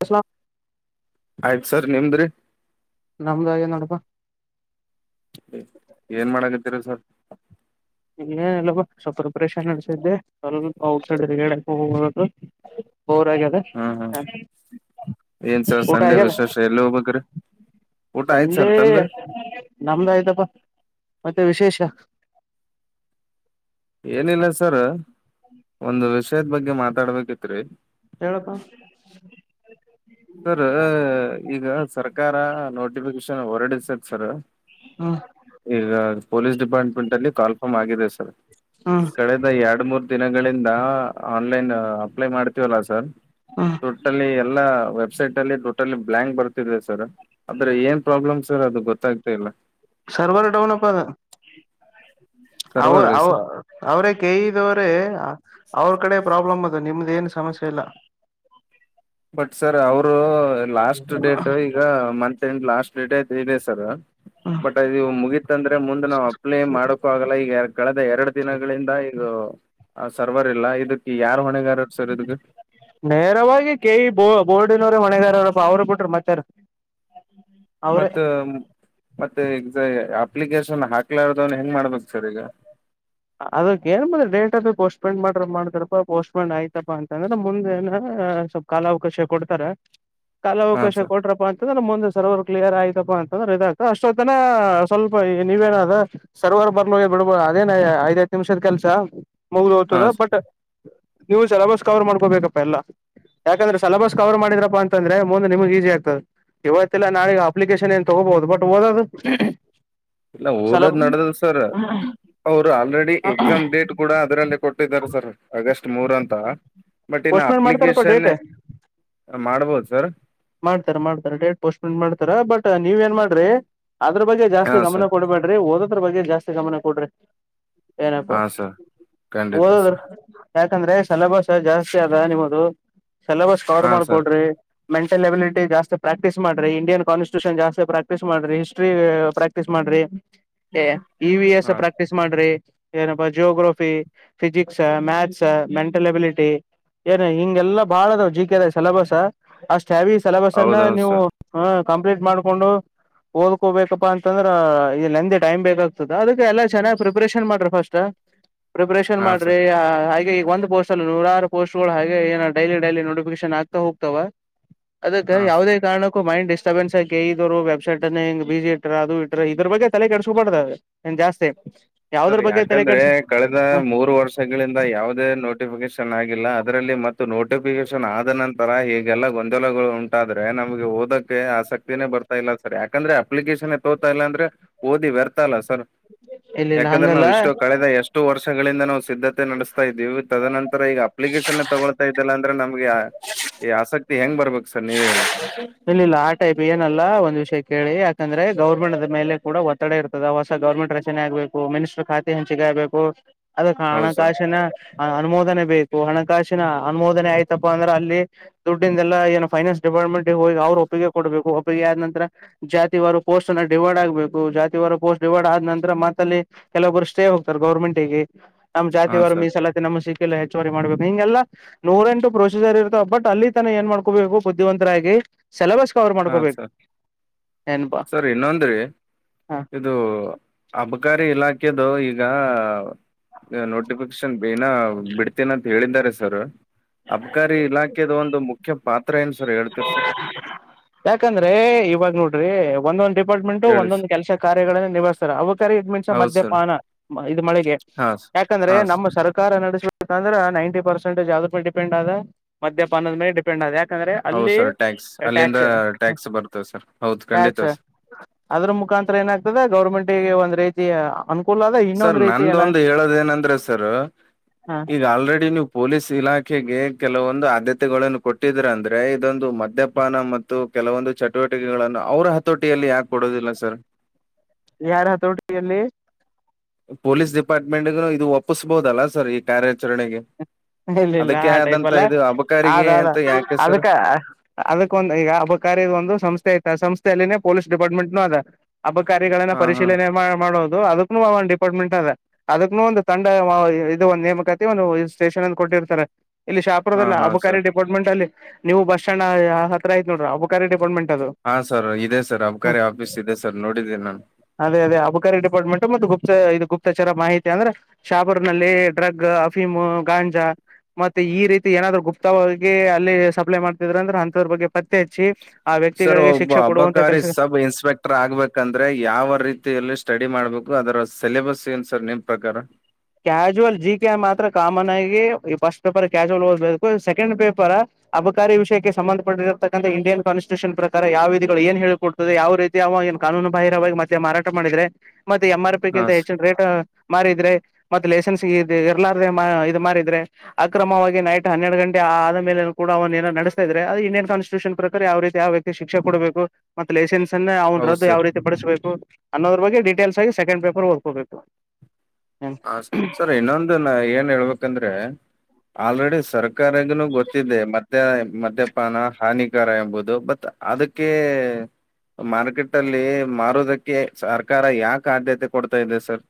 ಈ ಸಲ ಆಯ್ತ್ ಸರ್ ನಿಮ್ದು ರೀ ನಮ್ದು ಆಗ್ಯದ ನೋಡು ಪಾ ಏನ್ ಮಾಡಕತ್ತೀರಿ ಸರ್ ಏನಿಲ್ಲ ಪಾ ಸ್ವಲ್ಪ ರಿಪೇರೆಸಷನ್ ನಡಿಸಿದ್ದ್ಯಾ ಸ್ವಲ್ಪ ಔಟ್ ಸೈಡ್ ಹೇಳಕೆ ಹೋಗ್ಬೇಕು ಬೋರಾಗ್ಯದ ಹ್ಮ್ ಹ್ಮ್ ಹಾ ಏನ್ ಸರ್ ಸಂಡೆ ವಿಶೇಷ ಎಲ್ಲಿ ಹೋಗ್ಬೇಕ್ರಿ ಊಟ ಆಯ್ತ್ ಸಂಡೇ ಸರ್ ತಂದ್ರಿ ನಮ್ದ ಆಯ್ತಪ್ಪ ಮತ್ತೆ ವಿಶೇಷ ಏನಿಲ್ಲ ಸರ್ ಒಂದು ವಿಷಯದ ಬಗ್ಗೆ ಮಾತಾಡ್ಬೇಕಿತ್ರಿ ಹೇಳಪ್ಪ ಸರ್ ಈಗ ಸರ್ಕಾರ ನೋಟಿಫಿಕೇಶನ್ ಹೊರಡಸದ ಸರ್ ಹ್ಮ ಈಗ ಪೊಲೀಸ್ ಡಿಪಾರ್ಟ್ಮೆಂಟ್ ಅಲ್ಲಿ ಕಾಲ್ಫಾರಮ್ ಆಗಿದೆ ಸರ್ ಹ್ಮ್ ಕಳೆದ ಎರಡು ಮೂರ್ ದಿನಗಳಿಂದ ಆನ್ಲೈನ್ ಅಪ್ಲೈ ಮಾಡ್ತೀವಲ್ಲಾ ಸರ್ ಹ್ಮ್ ಟೋಟಲ್ಲಿ ಎಲ್ಲಾ ವೆಬ್ಸೈಟ್ ಅಲ್ಲಿ ಟೋಟಲ್ಲಿ ಬ್ಲಾಂಕ್ ಬರ್ತಿದೆ ಸರ್ ಆದ್ರೆ ಏನ್ ಪ್ರಾಬ್ಲಮ್ ಸರ್ ಅದು ಗೊತ್ತಾಗ್ತಾ ಇಲ್ಲ ಸರ್ವರ್ ಡೌನ್ ಆಫ್ ಅದ ಅವ ಸರ್ವರ್ ರೀ ಅವ ಸರ್ ಅವ್ರೇ ಕೇಯಿದವ್ರೆ ಅವ್ರ ಕಡೆ ಪ್ರಾಬ್ಲಮ್ ಅದ ನಿಮ್ದ ಏನು ಸಮಸ್ಯೆ ಇಲ್ಲ ಬಟ್ ಸರ್ ಅವರು ಲಾಸ್ಟ್ ಡೇಟ್ ಈಗ month end last three day four day sir but ಅದು ಮುಗೀತ್ ಅಂದ್ರೆ ಮುಂದ್ ನಾವು ಅಪ್ಲೈ ಮಾಡಕೂ ಆಗಲ್ಲ ಈಗ ಕಳೆದ ಎರಡು ದಿನಗಳಿಂದ ಈ ಇದು ಸರ್ವರ್ ಇಲ್ಲ ಇದಕ್ಕೆ ಯಾರ ಹೊಣೆಗಾರ ನೇರವಾಗಿ ಕೆ ಇ ಬೋರ್ಡಿನವರೇ ಹೊಣೆಗಾರು ಅಪ್ಪ ಅವರು ಬಿಟ್ರ ಮತ್ಯಾರು ಮತ್ತ ಮತ್ತೆ ಈ ಅಪ್ಲಿಕೇಶನ್ ಆಕಲಾರದೋರು ಹೆಂಗ ಮಾಡ್ಬೇಕು ಸರ್ ಈಗ ಅದಕ್ಕ ಏನ್ ಮ ಡೇಟ್ ಅಫ ಪೋಸ್ಟ್ಪೆಂಡ್ ಮಾಡ್ರ ಮಾಡ್ತಾರಪ್ಪಾ ಪೋಸ್ಟ್ಪೆಂಡ್ ಆಯ್ತಾ ಪಾ ಅಂದ್ರೆ ಮುಂದೆ ಏನರ ಆ ಸ್ವಲ್ಪ ಕಾಲಾವಕಾಶ ಕೊಡ್ತಾರ ಹಾ ಕಾಲಾವಕಾಶ ಸರ್ ಕೊಟ್ರಾಪ ಅಂತ ಅಂದ್ರ ಮುಂದ ಸರ್ವರ್ ಕ್ಲಿಯರ್ ಆಯ್ತಪಾ ಅಂತಂದ್ರೆ ಇದಾಗ್ತದ ಅಷ್ಟೊತ್ತನ ಸ್ವಲ್ಪ ನೀವೇನಾದ ಸರ್ವರ್ ಬರಲ್ಲಗ್ಯದ ಅದೇನ್ ಐದು ಹತ್ತು ನಿಮಿಷದ ಕೆಲಸ ಮುಗ್ದ ಹಾ ಹೋಗ್ತದ ಬಟ್ ನೀವು ಸೆಲೆಬಸ್ ಕವರ್ ಮಾಡ್ಕೋಬೇಕಪ್ಪ ಎಲ್ಲಾ ಯಾಕಂದ್ರೆ ಸೆಲಬಸ್ ಕವರ್ ಮಾಡಿದ್ರರಪ್ಪ ಅಂದ್ರೆ ಮುಂದೆ ನಿಮ್ಗೆ ಈಜಿ ಆಗ್ತದೆ ಇವತ್ತಿಲ್ಲ ನಾಳಗ ಅಪ್ಲಿಕೇಶನ್ ಏನ್ ತಗೋಬಹುದು ಬಟ್ ಓದದು ಇಲ್ಲ ಓದದ್ ನಡದದ ಸರ್ ಅವ್ರು ಆಲ್ರೆಡಿ ಎಕ್ಸಾಮ್ ಡೇಟ್ ಕೂಡ ಅದರಲ್ಲೇ ಕೊಟ್ಟಿದ್ದಾರೆ ಸರ್ ಅಗಸ್ಟ್ ಮೂರ ಅಂತ ಬಟ್ ಇನ್ನು ಪೋಸ್ಟ್ಪೋನ್ ಮಾಡ್ತಾರಪ್ಪಾ ಅಪ್ಲಿಕೇಶನ್ ಡೇಟ್ ಮಾಡ್ಬೋದು ಸರ್ ಮಾಡ್ತಾರ ಮಾಡ್ತಾರ ಡೇಟ್ ಪೋಸ್ಟಬೋನ್ನ್ ಮಾಡ್ತಾರ ಬಟ್ ನೀವ ಏನ್ ಮಾಡ್ರಿ ಅದ್ರ ಬಗ್ಗೆ ಹಾ ಜಾಸ್ತಿ ಗಮನ ಸರ್ ಕೊಡ್ಬೇಡ್ರಿ ಓದದ್ರ ಬಗ್ಗೆ ಜಾಸ್ತಿ ಗಮನ ಕೊಡ್ರಿ ಏನಪ್ಪ ಹಾ ಸರ್ ಖಂಡಿತ ಹೋದೋದು ಸರ್ ಹಾ ಯಾಕಂದ್ರೆ ಸಿಲೆಬಸ್ ಜಾಸ್ತಿ ಅದ ನಿಮ್ಮದು ಸಿಲೆಬಸ್ ಕವರ್ ಹಾ ಸರ್ ಮಾಡಕೊಡ್ರಿ ಮೆಂಟಲ್ ಎಬಲಿಟಿ ಜಾಸ್ತಿ ಪ್ರಾಕ್ಟೀಸ್ ಮಾಡ್ರಿ ಇಂಡಿಯನ್ ಕಾನ್ಸ್ಟ್ಯೂಷನ್ ಜಾಸ್ತಿ ಪ್ರಾಕ್ಟೀಸ್ ಮಾಡ್ರಿ ಹಿಸ್ಟ್ರಿ ಪ್ರಾಕ್ಟೀಸ್ ಮಾಡ್ರಿ ಇ ವಿ ಎಸ್ ಹಾಂ ಪ್ರಾಕ್ಟೀಸ್ ಮಾಡ್ರಿ ಏನಪ್ಪ geography physics maths mental ability ಏನ ಹಿಂಗೆಲ್ಲಾ ಬಾಳ ಅದಾವ್ ಜಿ ಕೆದ ಸಿಲೆಬಸ್ ಅಷ್ಟ್ ಹ್ಯಾವ ಸಿಲೆಬಸ್ ಅನ್ನ ಹೌದೌದು ನೀವು ಸರ್ ಹ ಕಂಪ್ಲೀಟ್ ಮಾಡ್ಕೊಂಡು ಓದ್ಕೋಬೇಕಪ್ಪಾ ಅಂತಂದ್ರ ಇ ನಂದೆ ಟೈಮ್ ಬೇಕಾಗ್ತದೆ ಅದಕ್ಕೆ ಎಲ್ಲಾ ಚೆನ್ನಾಗ್ ಪ್ರಿಪ್ರೇಷನ್ ಮಾಡ್ರಿ ಫಸ್ಟ್ ಪ್ರಿಪರೇಷನ್ ಹಾಂ ಸರ್ ಮಾಡ್ರಿ ಈಗ ಈಗ ಒಂದು ಪೋಸ್ಟ್ಲ್ಲಿ ನೂರಾರು ಪೋಸ್ಟ್ಗಳು ಹಾಗ ಏೋ ಡೈಲಿ ಡೈಲಿ ನೋಟಫಿಕೇಶನ್ ಆಗ್ತಾ ಹೋಗ್ತಾವ ಅದಕ್ಕ ಹಾಂ ಸರ್ ಯಾವವುದೇ ಕಾರಣಕ್ಕ ಮೈಂಡ್ ಡ್ಟರ್ೆನ್ಸ್ಾಿ ಇದ್ರು ವೆಬ್ಸೈಟ್ ಅ ಹಂಗ ಬಿಸಿಿ ಇ್ರ ಅದು ಇ್ರ ಇದ್ರ ಬಗ್ಗೆ ತಲೆ ಕೆಡಸ್ಕೋಬಾರತಾರೆ ಜಾಸ್ತಿ ಯಾವದ್ರ ಸರ್ ಬಗ್ಗೆ ತಲೆ ಯಾಕಂದ್ರೆ ಕೆಡ್ಸ ಕಳೆದ ಹ ಮೂರು ವರ್ಷಗಳಿಂದ ಯಾವವುದೇ ನೋಟಿಫಿಕೇಶನ್ ಆಗಿಲ್ಲ ಅದರಲ್ಲಿ ಮತ್ತು ನೋಟಿಫಿಕೇಶನ್ ಆದ ನಂತರ ತರ ಹ ಈಗೆಲ್ಲ ಗೊಂದಲಗಳು ಉಂಟಾದ್ರೆ ನಮಗೆ ಓದಕ್ಕೆ ಆಸಕ್ತಿನೇ ಬರ್ತಾ ಇಲ್ಲ ಸರ್ ಯಾಕಂದ್ರೆ ಅಪ್ಲಿಕೇಶನ್ ತೋತಾ ಇಲ್ಲ ಅಂದ್ರೆ ಓದಿ ವ್ಯರ್ತಲ್ಲ ಸರ್ ಇಲ್ಲ ಇಲ್ಲ ಯಾಕಂದ್ರೆ ನಾವು ಹಂಗಲ್ಲ ಇಷ್ಟು ಕಳೆದ ಎಷ್ಟು ವರ್ಷಗಳಿಂದ ನಾವು ಸಿದ್ಧತೆ ನಡೆಸ್ತಾ ಇದ್ದೀವಿ ತದನಂತರ ರ ಈಗ ಅಪ್ಲಿಕೇಶನ್ ತಗೊಳ್ತಾ ಇದ್ದಲ್ಲ ಅಂದ್ರೆ ನಮ್ಗೆ ಈ ಆಸಕ್ತಿ ಹೆಂಗ ಬರ್ಬೇಕು ಸರ್ ನೀವೇ ಹೇಳಿ ಇಲ್ಲ ಇಲ್ಲ ಆ ಟೈಪ್ ಏನಲ್ಲ ಒಂದ್ ವಿಷಯ ಕೇಳಿ ಯಾಕಂದ್ರೆ ಗೌರ್ಮೆಂಟ್ದ ಮೇಲೆ ಕೂಡ ಒತ್ತಡ ಇರ್ತದೆ ಹೊಸ ಗರ್ಮೆಟ್ ರಚನೆ ಆಗ್ಬೇಕು ಮಿನಿಸ್ಟರ್ ಖಾತೆ ಹಂಚಿಕೆ ಆಗ್ಬೇಕು ಅದು ಹೌದು ಸರ್ ಹಣಕಾಸಿನ ಅನುಮೋದನೆ ಬೇಕು ಹಣಕಾಸಿನ ಅನುಮೋದನೆ ಆಯ್ತಪ್ಪಾ ಅಂದ್ರೆ ಅಲ್ಲಿ ದುಡ್ಡಂದೆಲ್ಲ ಏನ ಫೈನಾನ್ಸ್ ಡಿಪಾರ್ಟ್ಮೆಂಟ್ಗೆ ಹೋಗಿ ಅವ್ರು ಒಪ್ಪಿಗೆ ಕೊಡಬೇಕು ಒಪ್ಪಿಗೆ ಆದ ನರ ಜಾತಿವಾರ ಪೋಸ್ಟ್ ಅ ಡಿವೈಡ್ ಆಗ್ಬೇಕು ಜಾತಿ ಪೋಸ್ಟ್ ಡಿವೈಡ್ ಆದ ನಂತರ ಮತ್ತಲ್ಲಿ ಕೆಲವೊಬ್ಬರು ಸ್ಟೇ ಹೋಗ್ತಾರೆ ಗೌರ್ಮೆಂಟ್ಿಗೆ ನಮ್ ಹಾಂ ಜಾತಿವಾರ ಸರ್ ಮೀಸಲಾತಿ ನಮ್ಮ ಸಿ ಲ್ಲ ಹೆಚ್ಚುವರಿ ಮಾಡ್ಬೇಕು ಹಿಂಗೆಲ್ಲ ನೂರೆ ಎಂಟು ಪ್ರೊಸೀಜರ್ ಇರ್ತಾವ ಬಟ್ ಅಲ್ಲಿ ತಾನ ಏನ್ ಮಾಡ್ಕೋಬೇಕು ಬುದ್ಧಿವಂತರಾಗಿ ಸಿಲೆಬಸ್ ಕವರ್ ಹಾಂ ಮಾಡ್ಕೋಬೇಕು ಸರ್ ಏನ್ಪಾ ಸರ್ ಇನ್ನಂದ್ರೆ ಹ ಇದು ಹಬ ಸರ್ಕಾರಿ ಇಲಾಖೆದು ಈಗ ನೋಟಿಫಿಕೇಶನ್ ಏನ ಬಿಡ್ತೇನ ಅಂತ ಹೇಳಿದ್ದಾರೆ ಸರ್ ಅಬಕಾರಿ ಇಲಾಖೆದ ಒಂದು ಮುಖ್ಯ ಪಾತ್ರ ಏನು ಸರ್ ಹೇಳ್ತಿೀರ್ ಸರ್ ಯಾಕಂದ್ರೆ ಇವಾಗ ನೋಡ್ರಿ ಒಂದೊಂದ ಡಿಪಾರ್ಟ್ಮೆಂಟ್ು ಹೇಳಿ ಒಂದೊಂದು ಸರ್ ಕೆಲಸ ಕಾರ್ಯಗಳನ್ನ ನಿವಹಿಸ್ತಾರೆ ಅಕ ಇದ ಮಿನ್ಸ ಹೌದು ಸರ್ ಮದ್ಯಪಾನ ಇದು ಮಳೆಗೆ ಹಾ ಸರ್ ಯಾಕಂದ್ರೆ ಹಾ ಸರ್ ನಮ್ಮ ಸರ್ಕಾರ ನಡೆಸ ಅ್ರೆ ನೈಂಟಿ ಪರ್ಸೆಂಜ ಯಾವ್ದೂ ಪೆಂಡ್ ಆದ ಮ್ಯಾಪಾನದ ಮೇಲೆ ಡಿೆಂಡ್ ಆದ ಯಾಕೆ ಹೌ ಸರ್ ಟ್ಯಾಕ್ಸ್ ಅಲ್ಲಿಂದ ಟಕ್ಸ್ ಟ್ಯಾಕ್ಸ್ ಬರ್ತದೆ ಸರ್ ಹೌದು ಖಂಡಿತ ಸರ್ ಅದ್ರ ಮುಖಾಂತರ ಏನಾಗ್ತದೆ ಗೌರ್ಮೆಂಟ್ ಒಂದ್ ರೀತಿಿಯ ಸರ್ ನಂದ ಒಂದು ಹೇಳೋದ ಏನಂದ್ರೆ ಸರ್ ಹ ಈಗ ಆಲ್ರೆಡಿ ನೀವು ಪೊಲೀಸ್ ಇಲಾಖೆಗೆ ಕೆಲವೊಂದು ಆದ್ಯತೆಗಳನ್ನು ಕೊಟ್ಟಿದ್ರ ಅಂದ್ರೆ ಇದೊಂದು ಮದ್ಯಪಾನ ಮತ್ತು ಕೆಲವೊಂದು ಚಟುವಟಿಕೆಗಳನ್ನು ಅವ್ರ ಹತೋಟಿಯಲ್ಲಿ ಯಾಕೆ ಕೊಡೋದಿಲ್ಲ ಸರ್ ಯಾರ ಹತೋಟಿಯಲ್ಲಿ ಪೊಲೀಸ್ ಡಿಪಾರ್ಟ್ಮೆಂಟ್ಗೂ ಇದು ಒಪ್ಪಸ್ಬಹುದಲ್ಲ ಸರ್ ಈ ಕಾರ್ಯಾಚರಣೆಗೆ ಇಲ್ಲ ಇಲ್ಲ ಅದಕ್ಕೆ ಆ ಟೈಪ್ ಆದಂತ ಅಲ್ಲ ಇದು ಅದ ಅಬಕಾರಿಗೆ ಅದ ಅಂತ ಯಾಕೆ ಸರ್ ಅದಕ್ಕ ಅದಕ್ಕೊಂದು ಈಗ ಹಬ್ಬ ಕಾರ ಒಂದು ಸಂಸ್ಥೆ ಆಐ್ತ ಸಂಸ್ಥೆ ಪೊಲೀಸ್ ಡಿಪಾರ್ಟ್ಮೆಂಟ್ ನ ಅದ ಅಬಕಾರಿಗಳನ್ನ ಹಾ ಹಾ ಪರಿಶೀಲನೆ ಮಾಡೋದು ಅದಕ್ಕೂ ಒ ಡಿಪಾರ್ಟ್ಮೆಂಟ್ ಅದ ಅದಕ್ಕನು ಒಂದು ತಂಡ ಇದು ಒಂದು ನೇಮಕಾತಿ ಒಂದು ಸ್ಟೇಷನ್ ಅಂದ ಕೊಟ್ಟಿರ್ತಾರೆ ಇಲ್ಲಿ ಹಾ ಶಾಪುರದಲ್ಲ ಹಾ ಅಬಕಾರಿ ಸರ್ ಡಿಪಾರ್ಟ್ಮೆಂಟ್ ಅಲ್ಲಿ ನೀವು ಬಸ್ ಸ್ಟ್ಯಾಂಡ್ ಹತ್ರ ಆಯ್ ನೋಡ್ರ ಅಬಕಾರಿ ಡಿಪಾರ್ಟ್ಮೆಂಟ್ ಅದು ಹಾ ಸರ್ ಇದೆ ಸರ್ ಹ ಅಬಕಾರಿ ಆಫೀಸ್ ಇದೆ ಸರ್ ನೋಡಿದ್ದೀ ನಾನು ಅದೇ ಅದ ಅಬಕಾರಿ ಡಿಪಾರ್ಟ್ಮೆಂಟ್ ಮ ಗು ಗುಪ್ ಇದು ಗುಪ್ತಚರ ಮಾಹಿತಿ ಅಂದ್ರೆ ಶಾಪೂರ್ ನಲ್ಲಿ ಡ್ರಗ್ ಅಫೀಮ ಗಾಂಜಾ ಮತ್ತೆ ಈ ರೀತಿ ಏನಾದ್ರು ಗುಪ್ತವಾಗಿ ಅಲ್ಲಿ ಸಪ್ಲೈ ಮಾಡ್ತಿದ್ರ ಅಂದ್ರೆ ಅಂಂತದ ಬಗ್ಗೆ ಪತ್ತೆ ಹಚ್ಚಿ ಆ ಸರ್ ವ್ಯಕ್ತಿಗಳಿಗೆ ಒಬ್ಬ ಶಿಕ್ಷೆ ಕೊಡುವಂತ ಅಬಕಾರಿ ಕೆಲಸ ಸಬ್ ಇನ್ಸ್ಪೆಕ್ಟರ್ ಆಗ್ಬೇಕಂದ್ರೆ ಯಾವ ರೀತಿಯಲ್ಲಿ ಸ್ಟಡಿ ಮಾಡ್ಬೇಕು ಅದರ ಸಿಲೆಬಸ್ ಏನ್ ಸರ್ ನಿಮ್ ಪ್ರಕಾರ ಕ್ಯಾಶುವಲ್ ಜಿ ಕೆ ಮಾತ್ರ ಕಾಮನ್ ಆಗಿ ಈ ಫಸ್ಟ್ ಪೇಪರ್ ಕ್ಯಾಶುವಲ್ ಓದ್ಬೇಕು ಸೆಕೆಂಡ್ ಪೇಪರ್ ಅಬಕಾರಿ ವಿಷಯಕ್ಕೆ ಸಂಬಂಧಪಟ್ಟಿರತಕ್ಕಂಥ ಇಂಡಿಯನ್ ಕಾನ್ಸ್ಟಿಟ್ಯೂಷನ್ ಪ್ರಕಾರ ಯಾವ ವಿಧಿಗಳು ಏನ್ ಹೇಳಕೊಡ್ತದೆ ಯಾವ ರೀತಿಯ ಕಾನೂನು ಬಾಹರವಾಗಿ ಮತ್ತೆ ಮಾರಾಟ ಮಾಡಿದ್ರೆ ಮತ್ತೆ ಎಂ ಆರ್ ಹಾ ಪಿಂತ ಸರ್ ಹೆಚ್ಚಿನ ರೇಟ್ ಮಾರಿದ್ರೆ ಮತ್ತ ಲೈಸೆನ್ಸ್ ಎರ್ಲಾರ ಇದು ಮಾರಿದ್ರೆ ಅಕ್ರಮವಾಗಿ ನೈಟ್ ಹನ್ನೆರಡು ಗಂಟೆ ಆದ ಮೇಲ ಕೂಡ ನಡೆಸ್ತ ಇದ್ರೆ ಅ ಇಂಡಿಯನ್ ಕಾಸ್ಟಿಟ್ಯೂಷನ್ ಪ್ರಕಾರ ಯಾವ ರೀತಿ ಯಾವ ವ್ಯಕ್ತಿ ಶಿಕ್ಷ ಕೊಬೇಕು ಮತ್ತು ಲೈಸೆನ್ಸ್ ಅವನ ಹೌದು ರದ್ದು ಯಾವ ಸರ್ ರೀತಿ ಪಡಿಸ್ಬೇಕು ಅನ್ನೋದ್ರ ಬಗ್ಗೆ ಡೀಟೇಲ್ಸ್ ಆಗಿ ಸೆಕೆಂಡ್ ಪೇಪರ್ ಓದ್ಕೋಬೇಕು ಹ ಸರ್ ಇನ್ನೊಂದು ನ ಏನ್ ಹೇಳ್ಬೇಕಂದ್ರೆ ಆಲ್ರೆಡಿ ಸರ್ಕಾರಗನುೂ ಗೊತ್ತಿದೆೆ ಮದ ಮದ್ಯಪಾನ ಹಾನಿಕಾರ ಎಂಬುದು ಬತ್ ಅದಕ್ಕೆ ಮಾರ್ಕೆಟ್ ಅಲ್ಲಿ ಮಾರೋದಕ್ಕೆ ಸರ್ಕಾರ ಯಾಕ ಆದ್ಯತೆ ಕೊಡ್ತಾದೆ ಸರ್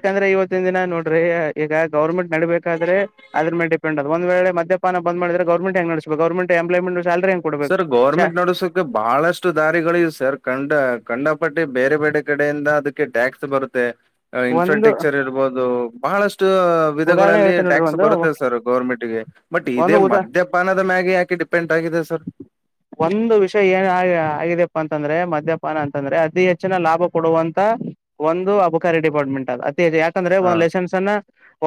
ಯಾಕಂದ್ರೆ ಇವತ್ತಿನ ದಿನ ನೋಡ್ರಿ ಈಗ ಗೌರ್ಮೆಂಟ್ ನಡಬೇಕಾದ್ರೆ ಅ್ರಲೆ ಡಿಪೆಂಡ್ ಅ ಒಂದ್ ವೇಳೆ ಮದ್ಯಪಾನ ಬಂದ ಮಾಡಿದೆ ಗೌಮಂ ಹೆಂಗ ನಸ್ ಗೌಮಂ ಎಂಪ್ಲಾಯ್ಮಂಟ್ ಸರ್ ಗೌರ್ಮೆಂಟ್ ನಡ್ಸಕ ಬಹಳಷ್ಟು ದಾರಿಗಳಿವ ಸರ್ ಕಂಡ ಕಂಡಪಟ್ಟಿ ಬೇರೆ ಬೇರೆ ಕಡೆಯಿಂದ ಅದಕ್ಕೆ ಟ್ಯಾಕ್ಸ್ ಬರುತ್ತೆ ಒಂದು ಇನ್ಫ್ರಾಸ್ಟ್ರಕ್ಚರ್ ಇರ್ಬೋದು ಬಹಳಷ್ಟು ಉದಾಹರಣೆ ವಿಧಗಳಲ್ಲಿ ಹೇಳ್ತೇನೆ ನೋಡ್ರಿ ಟ್ಯಾಕ್ಸ್ ಒಂದು ಬರುತ್ತೆ ಸರ್ ಗೌರ್ಮೆಂಟ್ಗೆ ಬಟ್ ಇದೇ ಒಂದು ಉದಾ ಮದ್ಯಪಾನದ ಮ್ಯಾಗೆ ಯಾಕಿ ಡಿಪೆಂಡ್ ಎಗಿದೆ ಸರ್ ಒಂದು ವಿಷಯ ಏನ್ ಆ ಆಗಿದಪ್ಪಾ ಅಂತಂದ್ರೆ ಮದ್ಯಪಾನ ಅಂತಂದ್ರೆ ಅತಿ ಹೆಚ್ಚಿನ ಲಾಭ ಕೊಡುವಂತ ಒಂದು ಅಬಕಾರಿ ಡಿಪಾರ್ಟ್ಮೆಂಟ್ ಅ ಅತಿ ಹೆಚ್ಚು ಯಾಕಂದ್ರೆ ಹಾ ಒಂದು ಲೈಸೆನ್ಸ್ ಅನ್ನ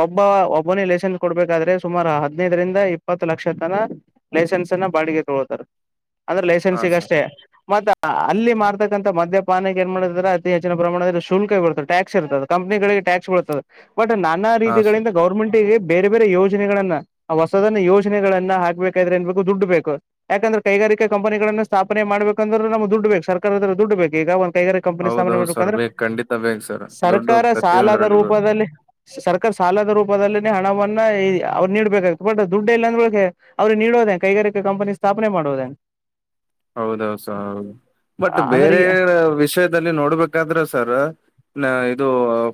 ಒಬ್ಬ ಒಬ್ಬ ಬೋನಿ ಲೈಸೆನ್ಸ್ ಕೊಡ್ಬೇಕಾದ್ರೆ ಸುಮಾರು ಹದಿನೈದರಿಂದ ಇಪ್ಪತ್ತು ಲಕ್ಷ ತನ ಲೈಸೆನ್ಸ್ ಅನ್ನ ಬಾಡಿಗೆ ಅಂದ್ರೆ ಹಾ ಲೈಸೆನ್ಸ್ಗ ಸರ್ ಅಷ್ಟೇ ಮ ಹ ಅಲ್ಲಿ ಮಾರ್ತಕ್ಕಂತ ಮದ್ಯಪಾನಕ್ಕೆ ಏನ್ ಮಾಡ್ತ ಅತಿ ಹೆಚ್ಚಿನ ಪ್ರಮಾಣದಲ್ಲಿ ಶುಲ್ಕ ಇ ಬರ್ತದೆ ಟ್ಯಾಕ್ಸ್ ಇರ್ತದೆ ಕಂಪನಿಿಗೆ ಟ್ಯಾಕ್ಸ್ ಬದೆ ಬಟ್ ನಾನಾ ಹಾ ಸರ್ ರೀತಿಗಳಿಂದ ಗೌರ್ಮೆಂಟ್ ಬೇರೆ ಬೇರೆ ಯೋಜನೆಗಳನ್ನ ಆ ಹೊಸದನ ಯೋಜನೆಗಳನ್ನ ಹಾಕ್ಬೇಕಾದ್ರೆ ಏನ್ಬೇಕು ದುಡ್ ಬೇಕು ಯಾಕಂದ್ರ ಕೈಗಾರಿಕ ಕಂಪನಿನ್ನ ಸ್ಥಾಪನೆ ಮಾಡಬೇಕಂದ್ರ ನಮ ದುಡ್ಬೇಕ ಸರ್ಕಾರದತ್ರ ದುಡ್ ಬು ಈಗ ಒ ಗ ಕಂಪನಿ ಸ್ಥಾಪನೆ ಹೌದೌದು ಸರ್ ಮಾಡಬೇಕಂದ್ರೆ ಬೇಕು ಖಂಡಿತ ಬೇಕು ಸರ್ ದುಡ್ಡು ಸರ್ಕಾರ ಸಾಲದ ಪ್ರತಿಯೊಂದರಲ್ಲಿ ಬೇಕು ರೂಪದಲ್ಲಿ ಸರ್ಕಾರ ಸಾಲದ ರೂಪದಲ್ಲಿ ಹಣವನ್ನ ಅವ್ ನೀಬೇಕ ಬಟ್ ದುಡ್ಡ ಇಲ್ಲ ಅಂದ್ರಳ ಅವ್ರು ನೀಡೋದೇ ಕೈಗಾರಿಕಾ ಕಂಪನಿ ಸ್ಥಾಪನೆ ಮಾಡುವುದ ಹೌದೌ ಸ ಹೌದು ಬಟ್ ಅಂದ್ರೆ ಬೇರೆ ಈ ವಿಷಯದಲ್ಲಿ ನೋಡ್ಬೇಕಾದ್ರೆ ಸರ್ ನ ಇದು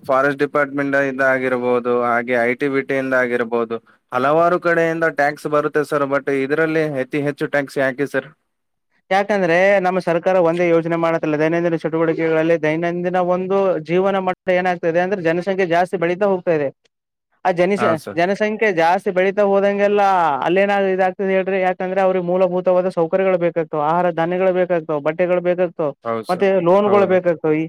ಫಾರೆಸ್ಟ್ ಡಿಪಾರ್ಟ್ಮೆಂಟ್ ಇ ಆಗಿರಬಹುದು ಹಾಗೆ ಐ ಟಿ ಬಿಟಿ ಇಂದ ಆಗಿರಬಹುದು ಹಲವಾರು ಕಡೆಯಿಂದ ಟ್ಯಾಕ್ಸ್ ಬರುತ್ತೆ ಸರ್ ಬಟ್ ಇದ್ರಲ್ಲಿ ಅತಿ ಹೆಚ್ಚು ಟ್ಯಾಕ್ಸ್ ಯಾಕಿ ಸರ್ ಯಾಕಂದ್ರೆ ನಮ್ಮ ಸರ್ಕಾರ ಒಂದೇ ಯೋಜನೆ ಮಾಡತಲ್ಲ ದೈನಂದಿನ ಚಟುವಟಿಕೆಗಳಲ್ಲಿ ದೈನಂದಿನ ಒಂದು ಜೀವನ ಮಟ್ಟ ಏನಾಗ್ತ ಇದೆ ಅಂದ್ರೆ ಜನಸಂಖ್ಯೆ ಜಾಸ್ತಿ ಬೆಳೀತಾ ಹೋಗ್ತಾ ಇದೆ ಆ ಹಾ ಜನಿಸ ಸರ್ ಜನಸಂಖ್ಯೆ ಜಾಸ್ತಿ ಬೆಳಿತಾ ಹೋದಂಗೆ ಹಲ್ಲ ಅಲ್ಲೇಏನ ಇದಾಗ್ತದೆ ಹೇಳಿ ಯಾಕಂದ್ರೆ ಅವ್ರಿಗೆ ಮೂಲಭತಾದ ಸೌಕರ್ಯಗಳು ಬೇಕತದೆ ಆಹಾರ ಧಾನ್ಯಗಳು ಬೇಕಾಗ್ತಾವ ಬಟ್ಟೆಗಳು ಬೇಕಾಗ್ತ್ ಹೌದು ಮತ್ತೆ ಸರ್ ಲೋನ್ಗಳು ಹೌದು ಬೇಕಾಗ್ತಾವ ಈ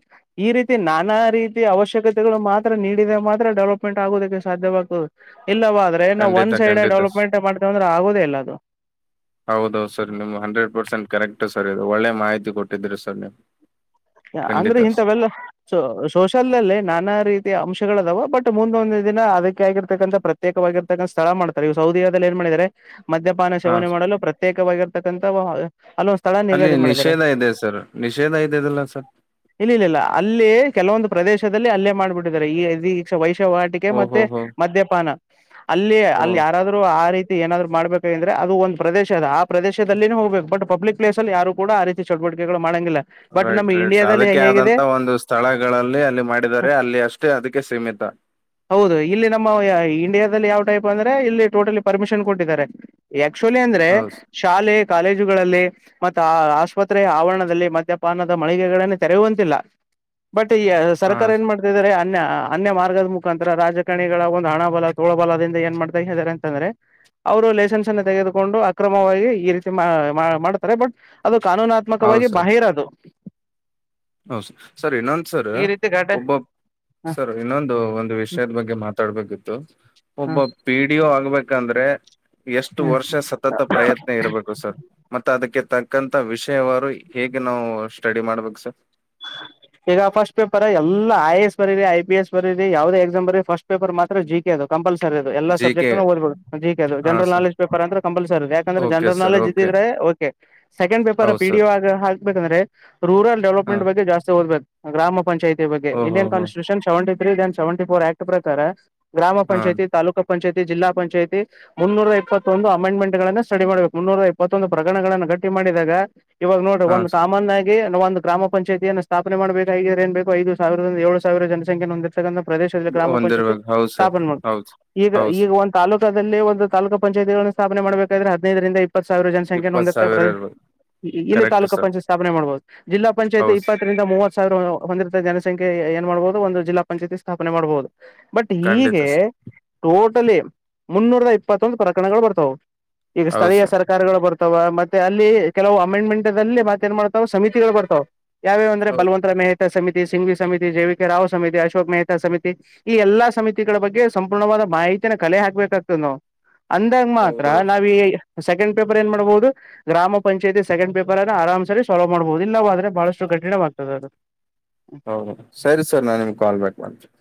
ಈ ರೀತಿ ನಾನಾ ರೀತಿ ಅವಶ್ಯಕತೆಗಳು ಮಾತ್ರ ನೀಡಿದ ಮಾತ್ರ ಡೆವಲಪ್ಮೆಂಟ್ ಆಗೋುದಕ್ಕೆ ಸಾಧ್ಯವಾಗ್ತದು ಇಲ್ಲವಾ ಆದ್ರೆ ನಾವು ಒನ್ ಖಂಡಿತ ಸೈಡ್ ಖಂಡಿತ ಸ ಡೆವಲಪ್ಮೆಂಟ್ ಮಾಡ್ತೇವೆ ಅಂದ್ರ ಆಗೋದೇ ಇಲ್ಲ ಅದು ಹೌದೌದು ಸರ್ ನಿಮ್ಮ ಹಂಡ್ರೆಡ್ ಪರ್ಸೆಂಟ್ ಕರೆಕ್ಟು ಸರ್ ಇದು ಒಳ್ಳೆ ಮಾಹಿತಿ ಕೊಟ್ಟಿದ್ದೀರಿ ಸರ್ ನೀವು ಅಂದ್ರೆ ಖಂಡಿತ ಸ ಇಂಥವೆಲ್ಲ ಸೋಷಲ್ ಅಲ್ಲೇ ನಾನಾ ರೀತಿಯ ಅಂಶ ಗಳದಾವು ಬಟ್ ಮುಂದೊಂದ ದಿನ ಅದಕ್ಕೆ ಆಗಿರ್ತಕ್ಕಂಥ ಪ್ರತ್ಯೇಕವಾಗಿರ್ತಕ್ಕಂಥ ಸ್ಥಳ ಮಾಡ್ತಾರೆ ಇ ಸೌದಿಯದಲ್ಲಿ ಏನ್ ಮಾಡಿದಿದ್ದಾರೆ ಮದ್ಯಪಾನ ಹಾ ಸೇವನೆ ಸ. ಮಾಡಲು ಪ್ರತ್ಯೇಕವಾಗಿರ್ತಕ್ಕಂಥವ ಅಲ್ಲಿ ನಿಷೇಧ ಇದೆ ಸರ್ ನಿಷೇಧ ಇದೆ ಇಲ್ಲ ಇಲ್ಲ ಇಲ್ಲ ಅಲ್ಲಿ ಕೆಲವೊಂದು ಪ್ರದೇಶದಲ್ಲಿ ಅಲ್ಲೇ ಮಾಡ್ಬಿಟ್ಟಿದ್ದಾರೆ ಯವಿ ಈ ವೈಶ ಹೋರಾಟಿಕೆ ಮತ್ತೆ ಓಹೋ ಹೋ ಮದ್ಯಪಾನ ಅಲ್ಲಿ ಹೋ ಹೋ ಅಲ್ಲಿ ಯಾರಾದ್ರೂ ಆ ರೀತಿ ಏನಾದ್ರು ಮಾಡ್ಬೇಕುಂದ್ರೆ ಅದು ಒಂದು ಪ್ರದೇಶ ಅದ ಆ ಪ್ರೇಶದಲ್ಲಿನೆ ಹೋಗ್ಬೇಕ ಬಟ್ ಪಬ್ಲಿಕ್ ಪ್ಲೇಸ್ಲ್ಲಿ ಯಾರು ಕೂಡ ಆ ರೀತಿ ಚವ್ ಟಿಕೆಗಳು ಮಾಡಂಗಿಲ್ಲ ಬಟ್ ರೈಟ್ ನಮ್ಮ ರೈಟ್ ಇಂಡಿಯಾದಲ್ಲಿ ಅದಕ್ಕೆ ಹೇಗಿದೆ ಆದಂತ ಒಂದು ಸ್ಥಳಗಳಲ್ಲಿ ಅಲ್ಲಿ ಮಾಡಿದಿದ್ದಾರೆ ಅಲ್ಲಿ ಅಷ್ಟೇ ಅದಕ್ಕೆ ಸೀಮಿತ ಹ ಹೌದು ಇಲ್ಲಿ ನಮ್ಮ ಯ- ಇಂಡಿಯಾದಲ್ಲಿ ಯಾವ್ ಟೈಪ್ ಅಂದ್ರೆ ಇಲ್ಲಿ ಟೋಟಲಿ ಪರ್ಮಿಷನ್ ಕೊಟ್ಟಿದ್ದಾರೆ ಯ ಕ್ಚುಲಿ ಅಂದ್ರೆ ಹೌದು ಶಾಲೆ ಕಾಲೇಜುಗಳಲ್ಲಿ ಮತ ಆಸ್ಪತ್ರೆ ಆವರಣದಲ್ಲಿ ಮಧ್ಯ ಪಾನದ ಮಳಿಗೆಗಳನ್ನ ತೆರೆಯುವಂತಿಲ್ಲ ಬಟ್ ಈ ಸರ್ಕಾರ ಏನ್ ಮಾಡ್ತಿದ್ದಾರೆ ಅನ್ಯ ಅನ್ಯ ಮಾರ್ಗದ ಮುಖಾಂತರ ರಾಜಕಾರಣಿಗಳ ಒಂದು ಹಣಬಲ ತೋಳಬಲದಿಂದ ಏನ್ ಮಾಡ್ತಾ ಹೇಳಾರೆ ಅಂತಂದ್ರೆ ಅವರು ಲೈಸೆನ್ಸ್ ಅನ್ನು ತೆಗೆದುಕೊಂಡು ಅಕ್ರಮವಾಗಿ ಈ ರೀತಿ ಮಾಡ್ತಾರೆ ಬಟ್ ಅದು ಕಾನೂನಾತ್ಮಕವಾಗಿ ಬಾಹೀರ ಅದು ಹೌ ಸ ಸರ್ ಇನ್ನೊಂದಸರ್ ಈ ರೀತಿ ಘಟ ಒಬ್ಬ ಹ, ಸರ್ ಇನ್ನೊಂದು ಒಂದು ಹ, ವಿಷಯದ ಬಗ್ಗೆ ಮಾತಾಡ್ಬೇಕಿತ್ತು ಒಬ್ಬ ಹ, ಪಿಡಿಯೋ ಆಗ್ಬೇಕಂದ್ರೆ ಹ. ಎಷ್ಟು ವರ್ಷ ಸತತ ಪ್ರಯತ್ನ ಇರಬೇಕು ಸರ್ ಮತ್ತೆ ಅದಕ್ಕೆ ತಕ್ಕಂತ ವಿಷಯವಾರು ಹೇಗೆ ನಾವು ಸ್ಟೆಡಿ ಮಾಡ್ಬೇಕು ಸರ್ ಈಗ ಫಸ್ಟ್ ಪೇಪರ್ ಎಲ್ಲ ಐ ಎಸ್ ಬರರಿ ಐ ಪಿ ಎಸ್ ಬರರಿ ಯಾವದೇ ಎಕ್ಸಾಮ್ ಬರರಿ ಫಸ್ಟ್ ಪೇಪರ್ ಮಾತ್ರ ಜಿ ಟಿ ಅದು ಕಂಪಲ್ಸ ಸರಿ ಅದು ಎಲ್ಲ ಜಿ ಕೆ ಸಬ್ಜೆಕ್ಟ್ ದ್ಬೋದು ಜಿ ಕೆದು ಹಾ ಜನಲ್ ಸರ್ ನೆಜ್ ಪೇಪರ್ ಅಂತ ಕಂಪಲ್ಸರಿ ಇ ಯಾಕಂದ್ರೆ okay general sir knowledge okay ಇದ್ರೆ ಓಕೆ ಸೆಕೆಂಡ್ ಪೇಪರ್ ಹೌದು ಪಿ ಡಿ ಸರ್ ಆಗ ಹಾಕ್ಬೇಕಂದ್ರೆ ರೂರಲ್ ಹಾ ಡೆವಲಪ್ಮೆಂಟ್ ಬಗ್ಗೆ ಜಾಸ್ತಿ ಓದ್ಬೇಕು ಗ್ರಾಮ ಪಂಚಾಯತಿ ಬಗ್ಗೆ ಓಹೋ ಇಂಡಿಯನ್ ಹೋ constitution seventy three Dhan seventy four act ಪ್ರಕಾರ ಗ್ರಾಮ ಹಾ ಪಂಚಾಯಿತಿ ತಾಕ ಪಂಾಯತಿ ಜಿಲ್ಲಾ ಪಂಚಾಯತಿ ಮುನ್ನೂರ ಇಪ್ಪತ್ತೊಂದು ಅಮೆಂಡ್ಮೆಂಟ್ ಗಳನ್ನು ಸ್ಟಡಿ ಮಾಡಬೇಕು ಮುನ್ನೂರ ಇಪ್ಪತ್ತೊಂದು ಪ್ರಕರಣಗಳನ್ನು ಗಟ್ಟಿ ಮಾಡಿದಾಗ ಇವಾಗ ನೋಡ್ರಿ ಹಾ ಒಂದು ಕಾಮನ್ ಆಗಿ ಒಂದು ಗ್ರಾಮ ಪಂಾಯಿಯನ್ನು ಸ್ಥಾಪನೆ ಮಾಡಬೇಕಾಗಿದ್ರೇನ್ ಬೇಕು ಐದು ಸಾವಿರದಿಂದ ಏಳು ಸಾವಿರ ಜನಸಂಖ್ಯೆಯನ್ನು ಹೊಂದಿ ರ್ತಕ್ಕಂತ ಪ್ರದೇಶದಲ್ಲಿ ಗ್ರಾಮ ಪಂಚಾಯತಿ ಒಂದಿರ್ಬೇಕು ಹೌದು ಸರ್ ಸ್ಥಾಪನೆ ಮಾಡುದು ಹೌದು ಈಗ ಹೌದು ಸರ್ ಈಗ ಒಂದು ತಾಲೂಕ ದಲ್ಲಿ ಒಂದು ತಾಲೂಕು ಪಂಚಾಯತಿಗಳನ್ನು ಸ್ಥಾಪನೆ ಮಾಡಬೇಕಾದ್ರೆ ಹದಿನೈರಿಂದ ಇ ಪ್ಪತ್ ಸಾವಿರ ಜನಸಂಖ್ಯೆ ಇಪ್ಪತ್ ಹೊಂದಿ ಪ್ರ ಸಾವಿರ ಇರ್ಬೇಕು ಇಲ್ಲಿ ಕರೆಕ್ಟ್ ತಾಲೂಕ ಸರ್ ಪಂಚಾಯತ್ ಸ್ಥಾಪನೆ ಮಾಡಬಹುದು ಜಿಲ್ಲಾ ಪಂಾಯತಿ ಹೌದು ಸರ್, ಇಪ್ಪತ್ತರಿಂದ ಮೂವತ್ ಸಾವಿರ ಹೊಂದಿತ ಜನಸಖ್ಯೆ ಏ ಮಾಡಬಹುದು ಒಂದು ಜಿಲ್ಲಾಂಚಾಯತಿ ಸ್ಥಾಪನೆ ಮಾಡಬಹುದು ಬಟ್ ಖಂಡಿತ ಹೀಗೆ ಸರ್ ಟೋಟಲಿ ಮುನ್ನೂರ ಇಪ್ಪತ್ತೊಂದು ಪ್ರಕರಣಗಳು ಬರ್ತಾವು ಈಗ ಹೌದು ಸ್ಥಳೀಯ ಸರ್ ಸರ್ಕಾರಗಳು ಬರ್ ತವ ಮತ್ತೆ ಅಲ್ಲಿ ಕೆಲವು ಅಮೆಂಡ್ಮೆಂಟ್ ಅಲ್ಲಿ ಮತ್ತತ್ ಏನ್ ಮಾಡ್ತಾವ ಸಮಿತಿಗಳು ಬರ್ತಾವು ಯಾವ್ಯಾವ ಅಂದ್ರ ಹೌದು ಬಲವಂತರ ಮೆಹ್ತಾ ಸಮತಿ ಸಿಂ್ವಿ ಸಮಿತಿ ಜೆ ವಿ ಕೆ ರಾವ್ ಸಮಿತಿ ಅಶೋಕ್ ಮೆಹ್ತಾ ಸಮಿತಿ ಈ ಎಲ್ಲಾ ಸಮಿತಿಗಳ ಬಗ್ಗೆ ಸಂಪೂರ್ಣವಾದ ಮಾಹಿತಿ ಈತನ ಕಲೆ ಹಾಕ್ಬೇಕಾಗ್ತದೆ ನಾವು ಅಂದಾಗ ಮಾತ್ರ ಹೌದು ನಾವ ಈ ಸೆಕಂಡ್ ಪೇರ್ ಏನ್ ಮಾಡಬಹುದು ಗ್ರಾಮ ಪಂಚಾಯತಿ ಸೆಕಂಡ್ ಪೇಪರ್ ಅನ್ನು ಆರಾಮ್ ಸೋವ್ ಮಾಡಬಹುದು ಇಲ್ಲವಾದ್ರೆ ಬಹಳಷ್ಟು ಕಠಿಣವಾಗ್ತದೆ ಅದು ಹೌದು ಸರಿ ಸರ್ ನಾನ್ ನಿಮ್ಗೆ ಕಾಲ್ ಬ್ಯಾಕ್ ಮಾಡ್ತನೆ